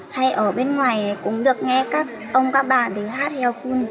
hay ở bên ngoài cũng được nghe các ông các bà đều hát hèo phương